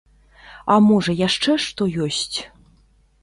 А можа яшчэ што ёсць?